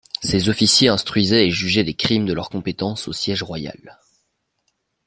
Ces officiers instruisaient et jugeaient les crimes de leur compétence au siège royal.